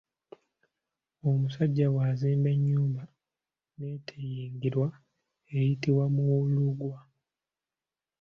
Omusajja bw’azimba ennyumba n’eteyingirwa eyitibwa Muwulugwa.